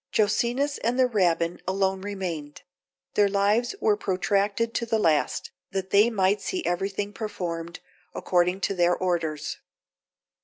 Jocenus and the Rabbin alone remained. Their lives were protracted to the last, that they might see everything performed, according to their orders.